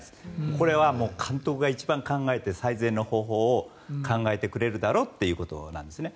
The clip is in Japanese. これは監督が一番考えて最善の方法を考えてくれるだろうということなんですね。